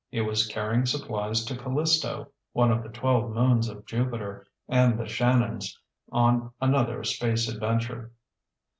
It was carrying supplies to Callisto (one of the twelve moons of Jupiter) and the Shannons, on another space adventure.